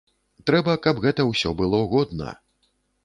Трэба, каб гэта ўсё было годна.